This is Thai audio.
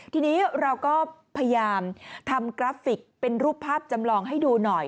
ทีนี้เราก็พยายามทำกราฟิกเป็นรูปภาพจำลองให้ดูหน่อย